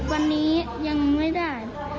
วันนี้ยังไม่ได้